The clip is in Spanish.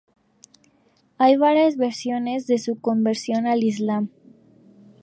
Hay varias versiones de su conversión al islam.